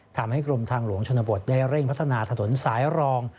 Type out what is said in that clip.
ทำให้กรมทางหลวงชนบทได้เร่งพัฒนาถนนสายรอง